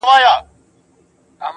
• مینه چي مو وڅاڅي له ټولو اندامو.